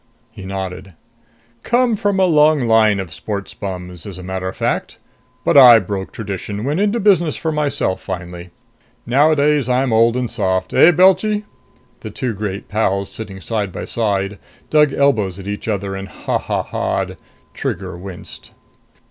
He nodded. "Come from a long line of sports bums, as a matter of fact. But I broke tradition went into business for myself finally. Nowadays I'm old and soft. Eh, Belchy?" The two great pals, sitting side by side, dug elbows at each other and ha ha ha'd. Trigger winced.